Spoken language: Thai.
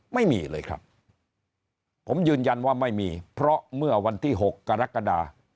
ไม่มีเลยครับผมยืนยันว่าไม่มีเพราะเมื่อวันที่๖กรกฎา